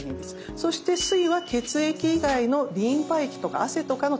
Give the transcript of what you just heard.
そして「水」は血液以外のリンパ液とか汗とかの体液を意味します。